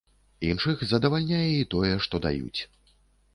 Іншых задавальняе і тое, што даюць.